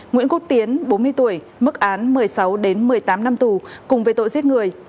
nguyễn quốc tiến bốn mươi tuổi mức án một mươi sáu một mươi tám năm tù cùng về tội giết người